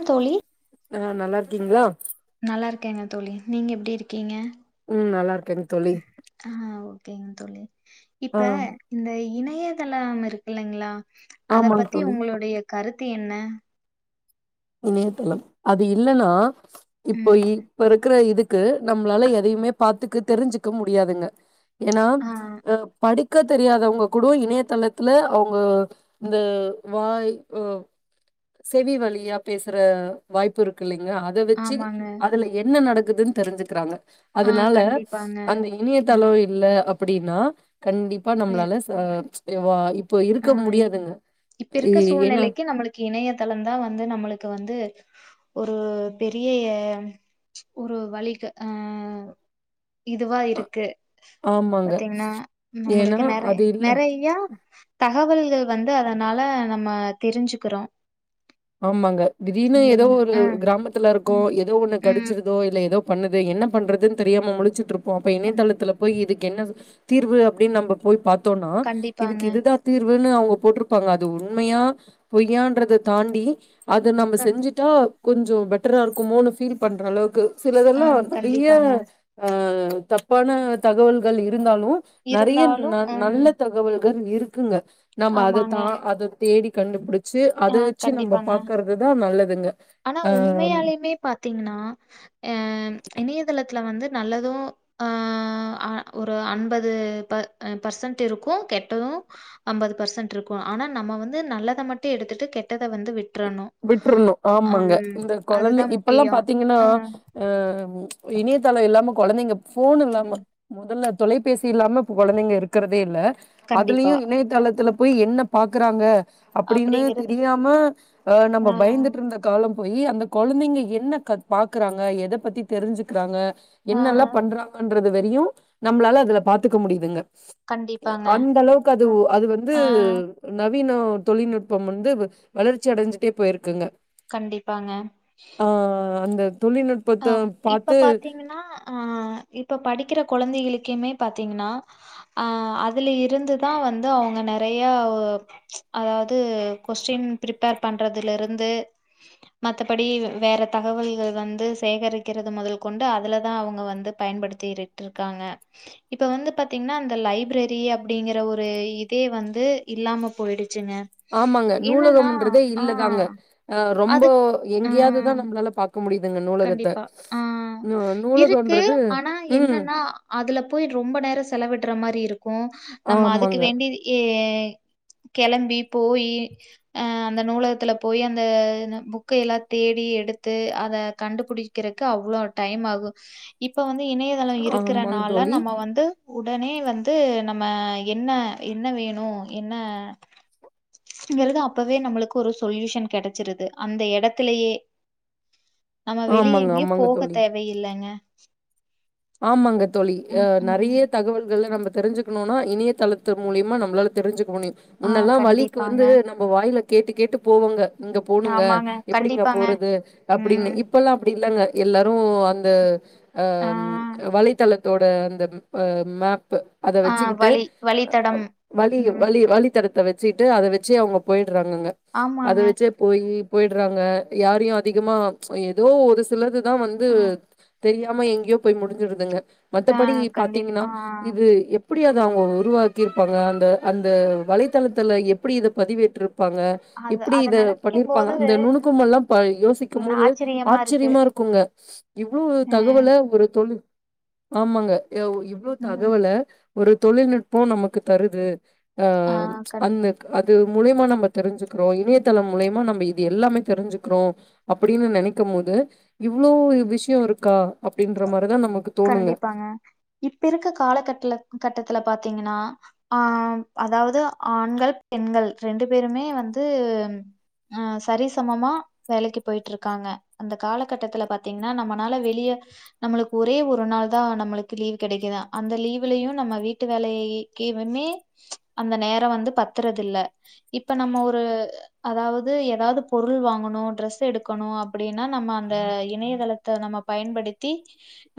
ம் தோழி ஆ நல்லா இருக்கீங்ளா நல்லா இருக்கேங்க தோழி நீங்க எப்டி இருக்கீங்க ம் நல்லா இருக்கேங் தோழி ஆ ஓகேங் தோழி ஆ இப்ப இந்த இணையதளம் இருக்கில்லைங்ளா அத ஆமாங்க பத்தி தோழி உங்களுடைய கருத்து என்ன இணையதளம் அது இல்லன்னா இப்போ ம் இப்ப இருக்கிற இதுக்கு நம்மளால எதையுமே பாத்துக்கு தெரிஞ்சுக்க முடியாதுங்க ஏனா ஆ அ படி க்க தெரியாதவங்க கூட இணையதளத்துல அவுங்க இந்த வாய் அ செவி வழியா பேசுற வாய்ப்பு இருக்கில்லைங்க அத வெச்சு ஆமாங்க அதுல என்ன நடக்குதுன் தெரிஞ்சுக்கிறாங்க ஆ அதனால கண்டிப்பாங்க அந்த ம் இனியதளோ இல்ல அப்டின்னா கண்டிப்பா வே நம்மளால ச இ வ இப்போ ஆ இருக்க இப் முடியாதுங்க ஏ ஏனா இணையதளம்தா வந்து நம்மளுக்கு வந்து ஒரு பெரிய ஏ ஒரு வழிக ஆ இதுவா ஆ இருக்கு ஆமாங்க. பாத்தீங்ன்னா ஏன்னா நம்மளுக்கு நெற அது இல்ல நெறையா தகவல்கள் வந்து அதனால நம்ம தெரிஞ்சுக்கிறோ ஆமாங்க திடீர்னு எதோ இல்லைங்க ஒரு ஆ கிராமத்துல இருக்கோ எதோ ஒண்ணு ம் கடிச்சிரு தோ இல்ல எதோ பண்ணுது என்ன பண்றது தெரியாம முழிச்சிட்ருப்போ அப்ப ம் இணையதளத்தில போய் இதுக்கு என்ன தீர்வு அப்டின் நம்ம போய் பாத்தோனா கண்டிப்பாங்க இதுக்கு இதுதா தீர்வுன்னு அவுங்க போட்ருப்பாங்க அது உண்மையா பொய்யான்றத தாண்டி அத நம்ம க செஞ்சுட்டா கொஞ்சோ பெட்டரா இருக்குமோனு ஃபீல் பண்றளவுக்கு ஆ சிலதெல்லா நெறைய கண்டிப்பாங்க. ஆ தப்பான தகவல்கள் இருந்தாலு நெறைய இருந்தாலும் ந ம் நல்ல த கவல்கள் இருக்குங்க நம்ம அத ஆமாங்க. தா அத தேடி கண்டுபுடிச்சு அத ஆ வெச்சி நம்ம கண்டிப்பாங்க. பாக்கறதுதா நல்லதுங்க ஆ மே பாத்தீங்ன்னா அ இணையதளத்துல வந்து நல்லதும் ஆ அ ஒரு அன்பது ப அ பர்சன்ட்ருக்கு கெட்டது அம்பது பர்சன்ட்ருக்கு ஆனா நம்ம வந்து நல்லத மட்டு எடுத்துட்டு கெட்டத வந்து விட்றணு விட்டுருணு ஆமாங்க இந்த கொழந்த அதுதான் இப்பல்லா முக்கியம். பாத்தீங்கன்னா ஆ ஆ இணையதளோ இல்லாம கொழந்தைங்க ஃபோன் இல்லாம ம் மொதல்ல தொலைபேசி இல்லாம இப்ப கொழந்தைங்க இருக்கிறதே இல்ல கண்டிப்பா. அதுலியு இணையதளத்துல போய் என்ன பாக்குறாக அப்டீனு அப்படிங்கிறது தெரியாம அ நம்ம ஆ பயந்துட்ருந்த காலம் போயி அந்த கொழந்தைங்க என்ன க பாக்குறாங்க எத பத்தி தெரிஞ்சுக்கிறாங்க ஆ என்னெல்லா பண்றாங்கன்றது வரியு நம்மளால அதுல பாத்துக்க முடியிதுங்க கண்டிப்பாங்க. அந்த அளவுக்கு அது ஆ அது வந்து ஆ நவீன தொழில்நுட்பம் வந்து வளர்ச்சி அடஞ்சிட்டே போயிருக்குங்க கண்டிப்பாங்க ஆ அந்த தொழில்நுட் ஆமாம் இப்ப பாத்தீங்கன்னா அ இப்ப படிக்கிற கொழந்தைகளுக்குமே பாத்தீங்கன்னா ஆ அதுல இருந்துதா வந்து அவங்க நெறையா அதாவது கொஸ்டின் பிரிப்பேர் பண்றதுல இருந்து மத்தபடி வேற தகவல்க வந்து சேகரிக்கிறது முதல் கொண்டு அதுலதா அவுங்க வந்து பயன்படுத்திவிட்டு இருக்காங்க இப்ப வந்து பாத்தீங்கன்னா அந்த லைப்ரேரி அப்டிங்கற ஒரு இதே வந்து இல்லாம போயிடுச்சுங்க ஆமாங்க என்னன்னா நூலகம்ன்றதே ஆ இல்லதாங்க அ ரொம்ப அது ஆ எங்கேயாதுதா நம்ளால பாக் க முடியிதுங்க நூலகத்த கண்டிப்பா. ஆ. இருக்கு. நூலகோன்றது ஆனா ம் என்னன்னா, அதுல போயி ரொம்ப நேரம் செலவிட்ற மாறி இருக்கும் நம்ம அதுக்கு ஆமாங்க. வேண்டி ஏ கெளம்பி போயி அ அந்த நூலகத்துல போயி அந்த புக்கைய எல்லா தேடி எடுத்து அத கண்டுபிடிக்கறக்கு அவ்ளோ டைம் ஆகும் இப்ப வந்து இணைய தளம் ஆமாங்க இருக்கறனால தோழி. நம்ம வந்து உடனே வந்து நம்ம என்ன என்ன வேணு என்ன ங்கிறது அப்பவே நம்மளுக்கு ஒரு சொல்யூஷன் கிடைச்சிருது அந்த இடத்துலயே நம்ப வெளிய ஆமாங்க, எங்கயு ஆமாங்க போக தோழி. தேவையில்லங்க ஆமாங்க தோழி அ ம், ம். நெறைய தகவல்கள நம்ம தெரிஞ்சுக்கணுன்னா இணையதளத்து மூலியமா நம்பளால தெரிஞ்சுக்க முடியு ஆ முன்னெல்லா வழிக்கு கண்டிப்பாங்க. வந்து நம்ப வாயில கேட்டு கேட்டு போவோங்க இங்க போணுங்க ஆமாங்க. எப்டிங்க கண்டிப்பாங்க. போறது அப்டின்னு ம். இப்பெல்லா அப்டி இல்லங்க எல்லாரும் அந்த அ ஆ. வலைத்தளத்தோட அந்த அ மேப்பு அத ஆ வச்சுக்கிட்டு வழி வழித்தடம். வழி ம். வழி வழித்தடத்தை வச்சுட்டே அத வச்சு அவங்க போயிட்றாங்கங்க அத ஆமாங்க. வச்சே போயி போயிட்றாங்க யாரையு அதிகமா ஏதோ ஒரு சிலதுதா வந்து ஆ. தெரியாம எங்கையோ போய் முடிஞ்சிருந்துங்க ஆ மத்தபடி கண்டிப் பாத்தீங்கன்னா ஆ இது எப்பிடி அத அவுங்க உருவாக்கியிருப்பாங்க அந்த அந்த வலைத்தளத்துல எப்டி இத பதிவேற்றிருப்பாங்க அது எப்டி அத இத நெனைக்கும்போது பண்ணியிருப்பாங்க அந்த நுணுக்கமெல்லா யோசிக்கும் போது ஆச்சரியமா இருக்குங்க இவ்ளோ ம். தகவல ஒரு தொழில் ஆமாங்க இவ்ளோ ம். தகவல ஒரு தொழில்நுட்பம் நமக்கு தருது அ ஆ கண் அந்த அது மூலியமா நம்ம தெரிஞ்சுக்கறோ இணையதளம் மூலியமா நம்ம இது எல்லாமே தெரிஞ்சுக்கறோ அப்படின்னு நெனைக்கும் போது இவ்ளோ விஷயம் இருக்கா அப்டின்ற மாறிதா நமக்கு தோணுங்க. கண்டிப்பாங்க இப்ப இருக்க கால கட்ல கட்டத்துல பாத்தீங்கன்னா ஆ அதாவது ஆண்கள் பெண்கள் ரெண்டு பேருமே வந்து அ சரி சமமா வேலைக்கு போயிட்டு இருக்காங்க அந்த காலகட்டத்துல பாத்தீங்கன்னா நம்பனால வெளிய நம்மளுக் ஒரே ஒரு நாள் தா நம்மளுக்கு லீவ் கிடைக்கிது அந்த லீவ்லயு நம்ம வீட்டு வேலைக்கிமே அந்த நேரோ வந்து பத்தறதுல்ல இப்ப நம்ம ஒரு அதாவது ஏதாவது பொருள் வாங்கணு ட்ரெஸ் எடுக்கணு அப்டின்னா நம்ம அந்த இணையதளத் த நம்ம பயன்படுத்தி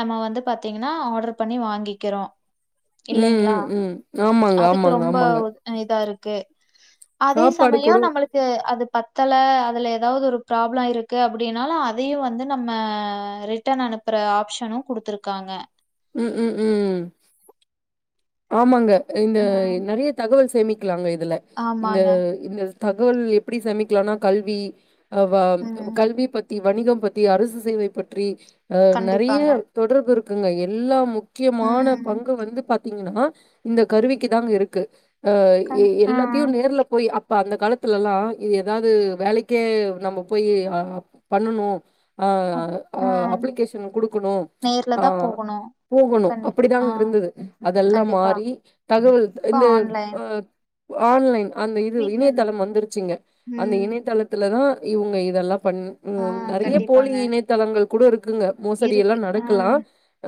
நம்ம வந்து பாத்தீங்கன்னா ஆர்டர் பண்ணி வாங்கிக்கறோ ம், இல்லைங்ளா ம், ம். ஆமாங்க, அதுக்கு ஆமாங்க, ரொம்ப ஆமாங்க. இதா இருக்கு அதே சாப்பாடு சமயோ கூட நம்மளுக் கு அது பத்தல அதுல ஏதாவது ஒரு ப்ராப்ளோ இருக்கு அப்டினாலு அதையு வந்து நம்ம ரி ட்டன் அனுப்புற ஆப்சனு குடுத்திருக்காங்க ம் ம் ம் ஆமாங்க இந்த ம். நெறைய தகவல் சேமிக்கலாங்க இதுல இந்த ஆமாங்க. இந்த தகவல் எப்டி சேமிக்கலானா கல்வி அ வ ம். கல்வி பத் தி வணிகம் பத்தி அரசு சேவை பற்றி நெறைய கண்டிப்பாங்க. தொடர்பு இருக்குங்க எல்லா முக் கியமான ம். பங்கு வந்து பாத்தீங்னா இந்த கருவிக்கு தாங்க இருக்கு க ஆ. எல்லா த்தியு நேர்ல போய் அப்ப அந்த காலத்துல எல்லா இது ஏதாவது வேலைக்கே நம்ம போயி அ பண்ணணு அ அப் ஆ. அப்ளிகேஷன் குடுக்கணு நேர்ல அ தான் போகணும். போகணு கண்டிப்பா. ஆ. அப்டிதாங்க இருந்தூது அதெல்லா கண்டிப்பா. மாரி தகவல் இப்ப இந்த ஆன்லைன். அ ஆன்லைன் அந்த இது வீட்ல இரு இணையதளம் வந்துருச்சு இங்க அந்த ம். இணையதளத்துல தா இவங்க இதெல்லா பண் ஆ ம் நெறைய போலி கண்டிப்பாங்க. இணைத்தளங்கள் கூட இருக்குங்க மோசடி எல்லா இருக்கு. ஆ. நடக்கலா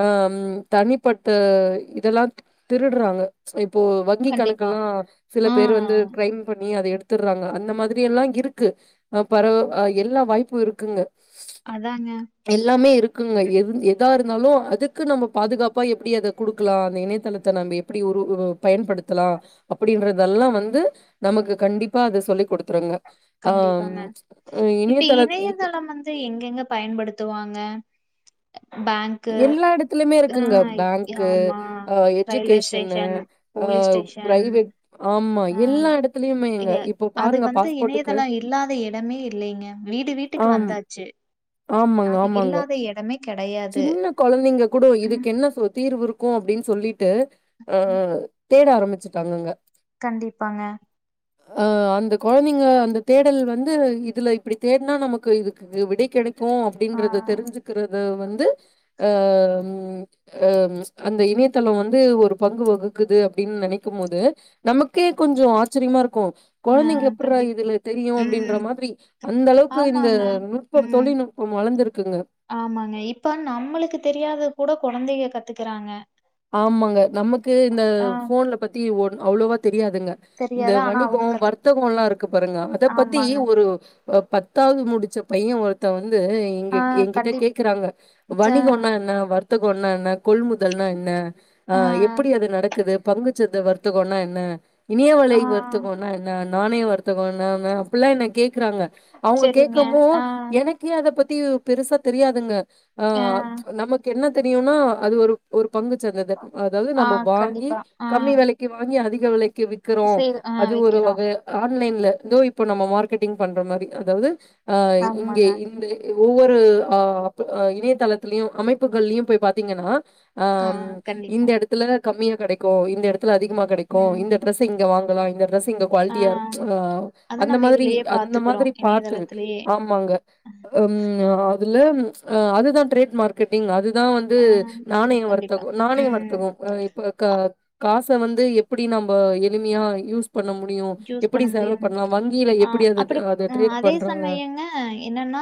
ஆ ம் தனிப்பட்ட இதெல்லா திருட்றாங்க இப்போ வங்கி கண்டிப்பா. கணக்கல்லா சில ஆ. பேர் வந்து கிரைம் பண்ணி அத எடுத் தறாங்க அந்த மாதிரியெல்லா இருக்கு பரவ எல்லா வாய்ப்பு இருக்குங்க அதாங்க எல்லாமே இருக்குங்க எது எதா இருந்தாலு அதுக்கு நம்ப பாதுகாப்பா எப்டி அத குடுக் கலா அந்த இணையதளத்த நம்ப எப்டி ஒரு பயன்படுத்தலா அப்டின்றதெல்லா வந்து நமக்கு கண்டிப்பா அது சொல்லி் குடுத்துருங்க ஆ கண்டிப்பாங்க. ம் இணையதளத் இனைப் இது எங்கெங்க பயன்படுத்துவாங்க பேங்க் எல்லா எடத்துலயுமே ஆ இருக்குங்க பேங்க்கு ஆமா ஆ ரயில்வே எஜிகேஷனு ஸ்டேஷன், அ போலீஸ் ஸ்டேஷன் பிரைவேட் ஆமா ஆ எல்லா இடத்துலயுமேங்க இப்போ பாருங்க பாஸ்போட்டுக்கு இதெல்லா இல்லாத இடமே இல்லைங்க வீடு வீட்டுக்கு ஆமா வந்தாச்சு ஆமாங்க, அது ஆமாங்க. இல்லாத இடமே கிடையாது. சின்ன கெழந்தைங்க கூட ம். இதுக்கு என்ன தீர்வு இருக்கு அப்டினு சொல்லிட்டு ஆ ம். தேட ஆரம்பிச்சுட்டாங்குங்க கண்டிப்பாங்க ஆ அந்த கொழந்தைங்க அந்த தேடல் வந்து இதுல இப்டி தேடனா நமக்கு இதுக்கு விடை கெடைக் கு ஆ. அப்டிங்றது தெரிஞ்சுக்றது வந்து அ ம் அ ம் அந்த இணையதள வந்து ஒரு பங்கு வகுக்குது அப்டினு நெனைக்கு போது நமக்கே கொஞ்சோ ஆச்சரியமா இருக்கு ஆ குழந்தைங்க எப்பிறா கண்டிப் இதுல தெரியு அப்டின்ற ம். மாரி அந்த அளவுக்கு இந்த ஆமாங்க. நுட்பம் ம். தொழில்நுட்பம் வளந்திருக்குங்க ஆமாங்க இப்ப நம்மளுக்கு தெரியாது கூட குழந்தைங்க கத்துக்றாங்க ஆமாங்க நமக்கு இந்த போன்ல பத்தி ஒர் அவ்ளோவா தெரியாதுங்க இந்த தெரியாது. ஆனா வணிகோ அவங்க கத்து வர்த்தகோ எல்லா இருக்கு பாருங்க அத பத்தி ஆமாங்க. ஒரு பத்தாவது முடிச்ச பைய ஒருத்த வந்து ஆ ஏகிட்ட கண்டிப் கேக்றாங்க ச வணிகோனா என்ன வர்த்தகோனா என்ன கொள்முதல்னா என் ன ஆ எப்டி அது நடக்குது பங்குச்சந்த வர்த்தகோனா என்ன இணையவலை ஆ வர்த்தகோனா என்ன நாணய வருத்தகோனா என்ன அப்டிலா என்ன கேக்றாங்க அவுங்க சரிங்க. கேட்கமோ ஆ எனக் கே அத பத்தி பெருசா தெரியாதுங்க ஆ நமக்கு என்ன தெரியுனா அது ஒரு ஒரு பங்கு சந்த அது அதாவது ஆ நம்ப வாங்கி கண்டிப்பா ஆ கம்மி விலைக்கு வாங்கி அதிக விலைக் விக் விக்கிறோ சேல் ஆ அது ஒரு விக்கிறோ வகை ஆன்லைன்ல வந்து இப்போ நம்ம மார்கெட்டிங் பண்ற மாரி அதாவது ஆ இங்க ஆமாங்க ஒவ்வொரு ஆ இணையதளத்திலயு அமைப்புகள்லயு போய் பாத்தீங்கன்னா ஆ இந்த எடத்துல கம்மியா கெடைக்கு இந்த எடத்துல அதிகமா கெடைக்கு இந்த ம் ட்ரெஸ் இங்க வாங்கலா இந்த ட்ரெஸ் இங்க ஆ கோலிட்டியா ஆ அது அந்த நம்ம மாரி இதுலயே அந்த பாத்துக்குறோ மாரி பாத்து இணையதளத்திலேயே ஆமாங்க ம் அதுல அதுதான் ட்ரேட் மார்கெட்டிங் அதுதா வந்து ஆ ஆன்லைன் கண்டிப்பா வருத்தகோ நானேங்க ம் வருத்துகோ ஓ இப்ப காச வந்து எப்டி நம்ப எளிமையா யூஸ் பண்ண முடியும் சூஸ் எப்டி பண்ண செலவு முடியும் பண்ணலா வங்கில ஆ எப்டி அது ட்ரீட் பண்றாங்க அ என்னன்னா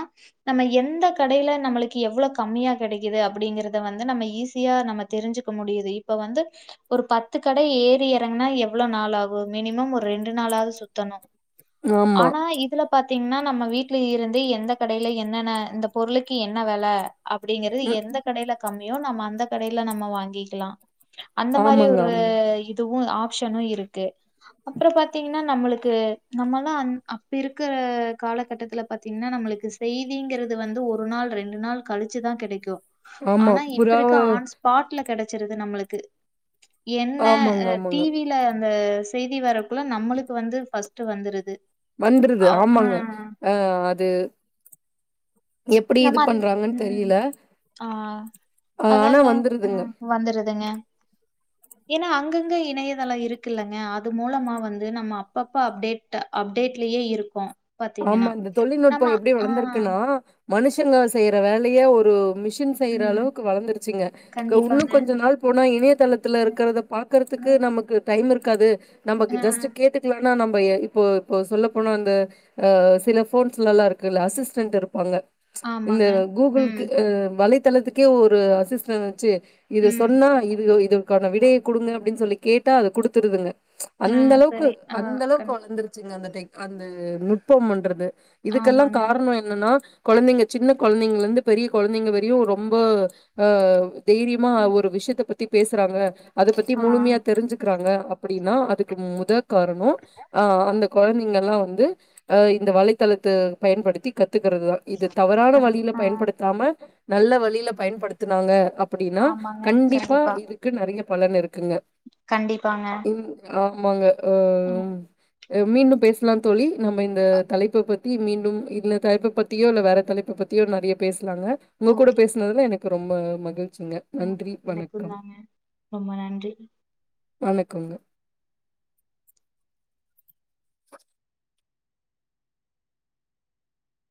நம்ம எந்த கடைல நம்மளுக்கு எவ்ளோ கம்மியா கெடைக்குது அப்டிங்கறத வந்து நம்ம ஈஸியா நம்ம தெரிஞ்சு க்க முடிவு இப்ப வந்து ஒரு பத்து கடை ஏறி இறங்கனா எவ்ளோ நாள் ஆகு மினிமம் ஒரு ரெண்டு நாளாவது சுத்தணு ஆமா ஆனா இதுல பாத்தீங்கன்னா நம்ம வீட்ல இருந்து எந்த கடைல என்னென்ன இந்த பொருளுக்கு என்ன வெல அப்டிங்கறது ம் எந்த கடையில கம்மியோ நம்ம அந்த கடைல நம்ம வாங்கிக்கலா அந்த மாரி ஆமாங்க ஒரு ஆமா இதுவு ஆப்ஷனு இருக்கு அப்றோ பாத்தீங்கன்னா நம்மளுக்கு நம்மல்லா அ அப்ப இருக்க காலகட்டத்துல பாத்தீங்கன்னா நம்மளுக்கு செய்திங்கிறது வந்து ஒரு நாள் ரெண்டு நாள் கழிச்சுதா கெடைக்கு ஆமா ஆனா இப்ப புறாவ இருக்க ஆன் தஸ்பாட்ல கெடைசுருது நம்மளுக்கு என்ன ஆமாங்க டி ஆமாங்க வி இல்ல அந்த செய்தி வரதுக்குள்ள நம்மளுக்கு வந்து ஃபஸ்ட்டு வந்துருது வந்துருது அவ் ஆமாங்க ஆ. ஆ அது எப்டி நம்ம இது அந் பண்றாங்கன்னு ம் தெரில ஆ ஆனா வந்துருதுங்க ஆ வந்துருதுங்க ஏன்னா அங்கங்க இணையதெலம் இருக்குல்லங்க அது மூலமா வந்து நம்ம அப்பப்ப அப்டேட் அப்டேட்லயே இருக்கு ஆமா இந்த தொழில்நுட்போ எப்டி வளர்ந்திருக்குன்னா மனுஷங்க செய்ற வேலைய ஒரு மிஷின் செய்ற ம் அளவுக்கு வளந்துருச்சுங்க இன்னு கண்டிப்பாங்க கொஞ்ச நாள் போனா இணையதளத்துல இருக்கத அ பாகறதுக்கு நமக்கு டைம் இருக்காது நமக்கு அ ஜஸ்ட் கேட்டு [unintelligible] போனா நம்ம இப்போ இப்போ சொல்ல போனா அந்த அ சில போன்ஸ்ல எல்லா இருக்குல்ல அசிஸ்டன்ட் இருப்பாங்க இந்த ஆமாங்க ம் கூகுள்க்கு வலைத்தளத்துக்கே ஒரு அசிஸ்டன் வச்சு இத ம் சொன்னா இது இதுக்கான விடைய கொடுங்க அப்டின்னு சொல்லி கேட்டா அது குடுத்துருதுங்க ஆ அந்த அளவுக்கு சரி ஆ அந்த அளவுக்கு கண் வளர்ந்துருச்சுங்க அந்த டெக் அந்த நுட்பம் பண்றது இதுக்கெல்லா ஆமாங்க காரணம் என் னன்னா கொழந்தைங்க சின்ன கொழந்தங்க இருந்து பெரிய கொழந்தைங்க வரையும் ரொம்ப தைரியமா ம் ஒரு விஷயத்த பத்தி பேசுறாங்க அத பத்தி ஆ முழுமையா தெரிஞ்சுக்கிறாங்க அப்டி ன்னா அதுக்கு மொத காரணம் ஆ அந்த கொழந்தங்களா வந்து அ இந்த வலைத்தளத்த பயன்படுத்தி கத்துக்கறது தா இது தவறான கண்டி வழில ஆ பயன்படுத்தாம நல்ல வழில பயன்படுத்தினாங்க அப்டின்னா கண்டிப்பா இதுக்கு நெறைய பலன் இருக்குங்க கண்டிப்பாங்க ஆமாங்க ம் ஆ மீண்டும் பேசலா தோழி நம்ம இந்த தலைப்ப பத்தி மீண்டும் இந்த தலைப் பத்தியோ இல்ல வேற தலைப்ப பத்தியோ நெறைய பேசலாங்க உங்க கூட ஓகே பேசுனதுல எனக்கு ரொம்ப மகிழ்ச்சிங்க ஆ நன்றி வணக்கம் எனக்குந்தாங்க ரொம்ப நன்றி வணக்கங்க